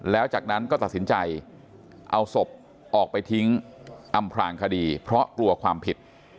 แล้วจากนั้นก็ตัดสินใจเอาศพออกไปทิ้งอำพลางคดีเพราะกลัวความผิด